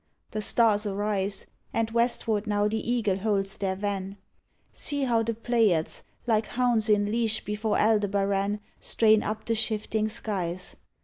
The stars arise, And westward now the Eagle holds their van. See how the Pleiades, Like hounds in leash before Aldebaran, Strain up the shifting skies!